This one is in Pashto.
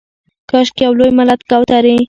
کاشکي یو لوی ملت کوترې